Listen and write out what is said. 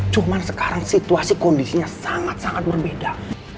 cuma sekarang situasi kondisinya sangat sangat berbeda